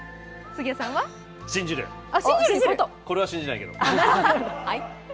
これは信じないけど。